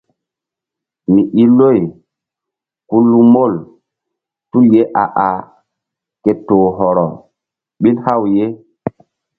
Mi i loy ku lu mol tul ye a ah ke toh hɔrɔ ɓil haw ye.